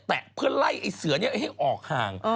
แตะเพื่อไล่เสือนี้ให้ออกห่าง